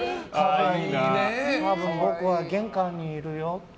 僕は玄関にいるよって。